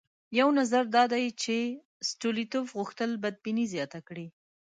یو نظر دا دی چې ستولیتوف غوښتل بدبیني زیاته کړي.